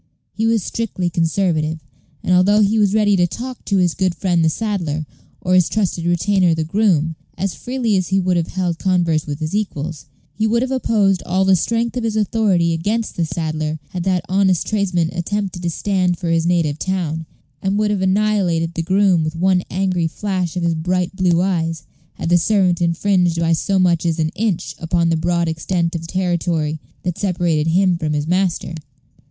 He was strictly conservative; and although he was ready to talk to his good friend the saddler, or his Page 144 trusted retainer the groom, as freely as he would have held converse with his equals, he would have opposed all the strength of his authority against the saddler had that honest tradesman attempted to stand for his native town, and would have annihilated the groom with one angry flash of his bright blue eyes had the servant infringed by so much as an inch upon the broad extent of territory that separated him from his master.